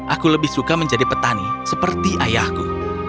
aku lebih suka menjadi petani seperti ayahku